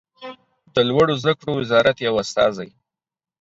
د لوړو زده کړو وزارت یو استازی